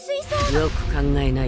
よく考えなよ！